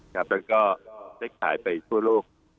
แล้วก็ใช้ถ่ายไปอีกทั่วลูก